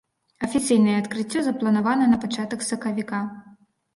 Афіцыйнае адкрыццё запланавана на пачатак сакавіка.